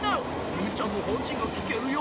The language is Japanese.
ユウちゃんのほんしんがきけるよ？